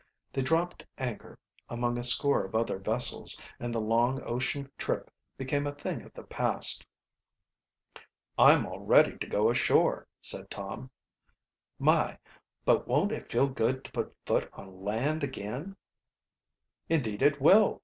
They dropped anchor among a score of other vessels; and the long ocean trip became a thing of the past. "I'm all ready to go ashore," said Tom. "My, but won't it feel good to put foot on land again!" "Indeed it will!"